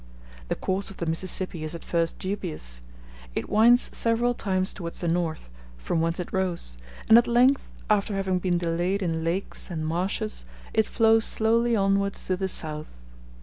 The course of the Mississippi is at first dubious: it winds several times towards the north, from whence it rose; and at length, after having been delayed in lakes and marshes, it flows slowly onwards to the south.